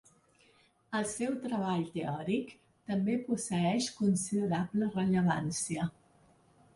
El seu treball teòric també posseeix considerable rellevància.